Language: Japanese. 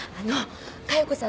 加代子さん